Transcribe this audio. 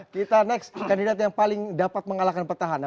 kita next kandidat yang paling dapat mengalahkan petahana